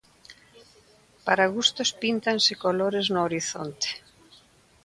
Para gustos píntanse colores no horizonte.